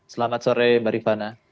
selamat sore mbak rihvana